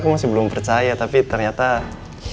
membuat itu berbeda dari apa yang aku miliki